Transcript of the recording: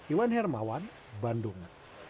iwan hermawan bandung